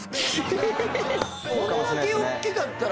こんだけおっきかったら。